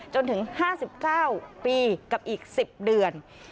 จนถึง๕๙ปีกับอีก๑๐เดือน